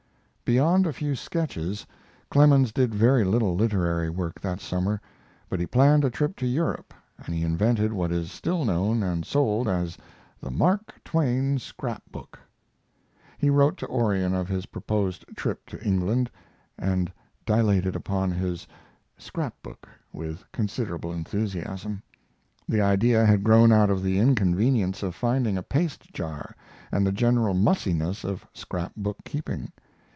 Beyond a few sketches, Clemens did very little literary work that summer, but he planned a trip to Europe, and he invented what is still known and sold as the "Mark Twain Scrap Book." He wrote to Orion of his proposed trip to England, and dilated upon his scrap book with considerable enthusiasm. The idea had grown out of the inconvenience of finding a paste jar, and the general mussiness of scrap book keeping.